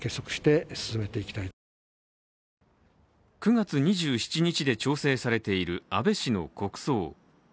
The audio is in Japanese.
９月２７日で調整されている安倍氏の国葬。